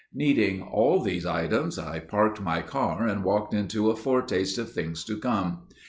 Needing all these items, I parked my car and walked into a foretaste of things to come.